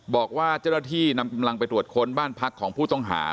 บอกว่าเจ้าหน้าที่นำกำลังไปตรวจค้นบ้านพักของผู้ต้องหา